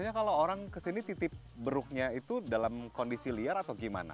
biasanya kalau orang kesini titip beruknya itu dalam kondisi liar atau gimana